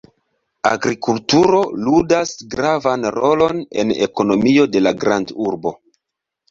Agrikulturo ludas gravan rolon en ekonomio de la grandurbo.